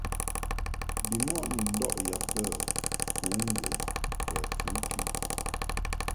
Bimɔʼ ni ndɔʼ yab bə fǔŋgə kɛ fǔtɨ.